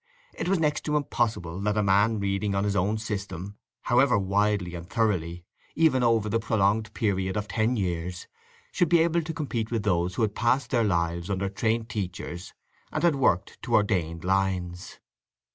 It was next to impossible that a man reading on his own system, however widely and thoroughly, even over the prolonged period of ten years, should be able to compete with those who had passed their lives under trained teachers and had worked to ordained lines.